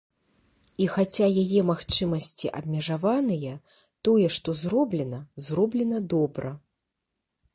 І хаця яе магчымасці абмежаваныя, тое, што зроблена, зроблена добра.